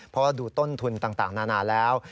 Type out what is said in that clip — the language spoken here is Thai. เพราะดูต้นทุนต่างนานาแล้ว